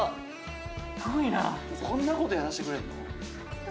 こんな事やらせてくれるの？